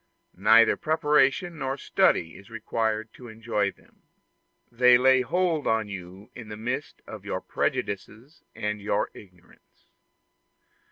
Neither preparation nor study is required to enjoy them: they lay hold on you in the midst of your prejudices and your ignorance.